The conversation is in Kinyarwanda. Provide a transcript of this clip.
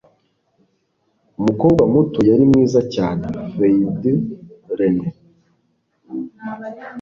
Umukobwa muto yari mwiza cyane (FeuDRenais)